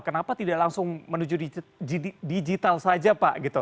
kenapa tidak langsung menuju digital saja pak gitu